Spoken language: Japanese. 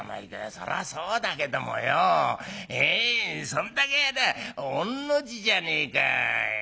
「そらそうだけどもよええそれだけありゃ御の字じゃねえか。